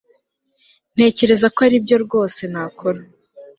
ntekereza ko aribyo rwose nakora